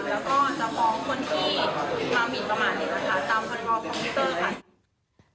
แล้วก็จะพ้องคนที่มามีประมาณนี้นะคะตามความรู้ของคอมพิวเตอร์ค่ะ